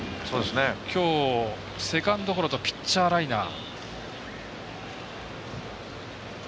きょう、セカンドゴロとピッチャーライナー。